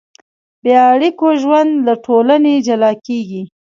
بېاړیکو ژوند له ټولنې جلا کېږي.